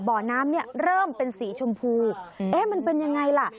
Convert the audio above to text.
บ่อน้ำเนี่ยเริ่มเป็นสีชมพูเอ๊ะมันเป็นยังไงล่ะ